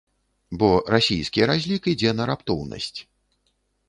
Бо расійскі разлік ідзе на раптоўнасць.